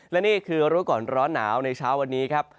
และนี่คือรู้ก่อนร้อนหนาวในเช้าวันนี้ครับ